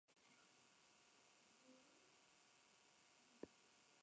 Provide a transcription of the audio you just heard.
Chilevisión pone en marcha la primera edición de este programa de humor.